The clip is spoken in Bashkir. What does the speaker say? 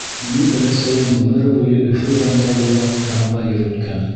Минең өләсәйем ғүмере буйы Өфө урамдары буйлап трамвай йөрөткән.